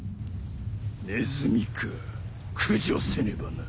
ネズミか駆除せねばな。